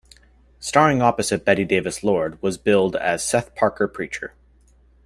Starring opposite Bette Davis, Lord was billed as "Seth Parker, Preacher".